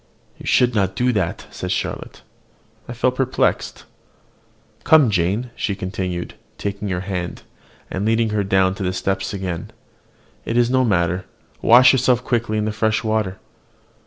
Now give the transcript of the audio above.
"You should not do that," said Charlotte: I felt perplexed. "Come, Jane," she continued, taking her hand, and leading her down the steps again, "it is no matter: wash yourself quickly in the fresh water."